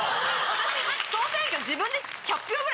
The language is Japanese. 私総選挙。